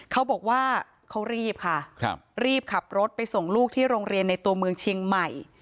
เขาบอกว่าเขารีบค่ะรีบขับรถไปส่งลูกที่โรงเรียนในตัวเมืองเชียงใหม่